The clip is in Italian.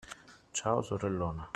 Ciao, sorellona.